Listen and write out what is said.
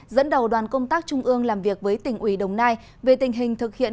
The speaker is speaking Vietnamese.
dẫn đầu đoàn công tác trung ương làm việc với tỉnh ủy đồng nai về tình hình thực hiện